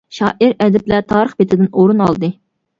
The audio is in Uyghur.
شائىر، ئەدىبلەر تارىخ بىتىدىن ئورۇن ئالدى.